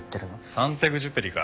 サン＝テグジュペリか。